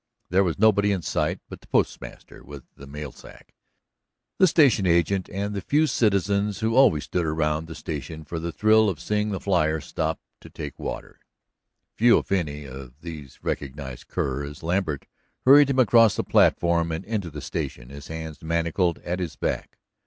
There was nobody in sight but the postmaster with the mail sack, the station agent, and the few citizens who always stood around the station for the thrill of seeing the flier stop to take water. Few, if any, of these recognized Kerr as Lambert hurried him across the platform and into the station, his hands manacled at his back.